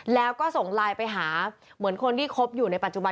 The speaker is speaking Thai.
แล้วก็ส่งไลน์ไปหาเหมือนคนที่คบอยู่ในปัจจุบัน